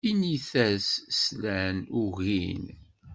Init-as slan, ugin.